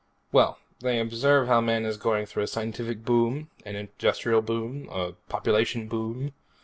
"Well, they observe how man is going through a scientific boom, an industrial boom, a population boom.